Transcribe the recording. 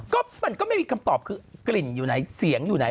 ก็มันก็ไม่มีคำตอบคือกลิ่นอยู่ไหนเสียงอยู่ไหน